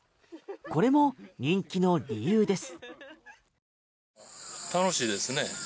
これも人気の理由です。